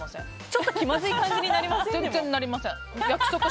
ちょっと気まずい感じになりませんか？